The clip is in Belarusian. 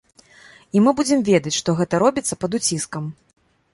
І мы будзем ведаць, што гэта робіцца пад уціскам.